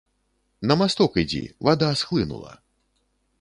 На масток ідзі, вада схлынула.